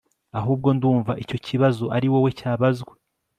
ahubwo ndumva icyo kibazo ariwowe cyabazwa